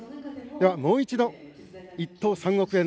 もう一度、１等３億円